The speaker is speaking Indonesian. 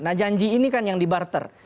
nah janji ini kan yang dibarter